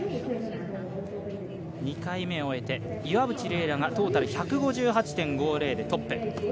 ２回目を終えて、岩渕麗楽がトータル１５８．５０でトップ。